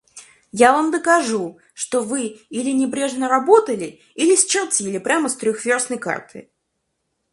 Я вам докажу, что вы или небрежно работали, или счертили прямо с трехвёрстной карты.